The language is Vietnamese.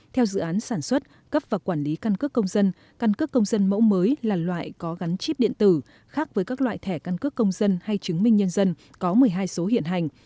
theo dự án sản xuất cấp và quản lý căn cước công dân căn cước công dân mẫu mới là loại có gắn chip điện tử khác với các loại thẻ căn cước công dân hay chứng minh nhân dân có một mươi hai số hiện hành